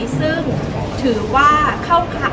สวัสดีครับ